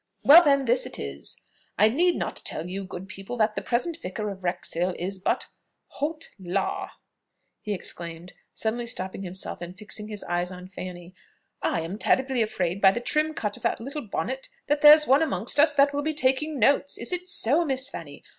"Well then, this it is: I need not tell you, good people, that the present vicar of Wrexhill is but holt là!" he exclaimed, suddenly stopping himself and fixing his eyes on Fanny; "I am terribly afraid by the trim cut of that little bonnet, that there's one amongst us that will be taking notes. Is it so, Miss Fanny?